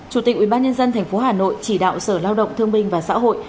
chủ tịch ubnd tp hà nội chỉ đạo sở lao động thương minh và xã hội